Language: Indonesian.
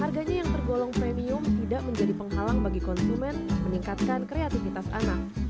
harganya yang tergolong premium tidak menjadi penghalang bagi konsumen meningkatkan kreativitas anak